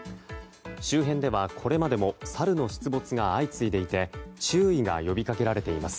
周辺ではこれまでもサルの出没が相次いでいて注意が呼びかけられています。